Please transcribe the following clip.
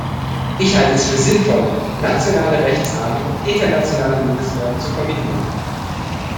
Ich halte es für sinnvoll, nationale Rechtsrahmen und internationale Mindestnormen zu kombinieren.